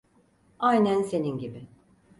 Aynen senin gibi.